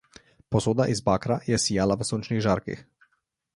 Posoda iz bakra je sijala v sončnih žarkih.